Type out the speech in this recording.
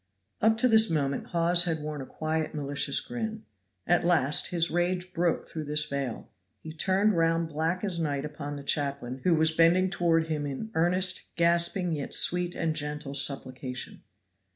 Up to this moment Hawes had worn a quiet, malicious grin. At last his rage broke through this veil. He turned round black as night upon the chaplain, who was bending toward him in earnest gasping yet sweet and gentle supplication.